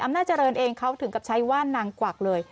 อำนาจเจริญเองเขาถึงกับใช้ว่านางกวักเลย